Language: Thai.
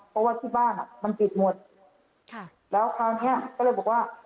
เพราะว่าที่บ้านอ่ะมันปิดหมดค่ะแล้วคราวเนี้ยก็เลยบอกว่า